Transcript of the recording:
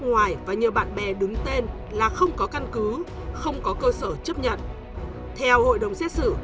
nước ngoài và nhiều bạn bè đứng tên là không có căn cứ không có cơ sở chấp nhận theo hội đồng xét xử